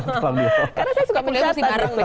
karena saya suka mencatat